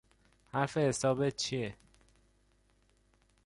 حرف حسابت چیه؟